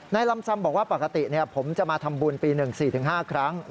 ลำซำบอกว่าปกติผมจะมาทำบุญปี๑๔๕ครั้ง